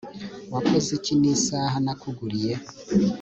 wakoze iki nisaha nakuguriye